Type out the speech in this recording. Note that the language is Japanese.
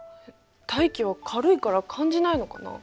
大気は軽いから感じないのかな？